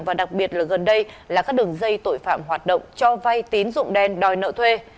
và đặc biệt là gần đây là các đường dây tội phạm hoạt động cho vay tín dụng đen đòi nợ thuê